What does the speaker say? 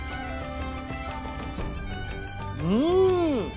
うん。